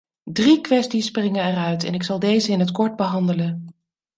Drie kwesties springen eruit en ik zal deze in het kort behandelen.